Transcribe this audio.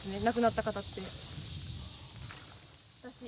亡くなった方って。